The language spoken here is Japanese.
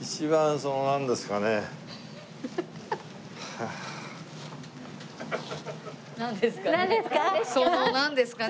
そのなんですかね？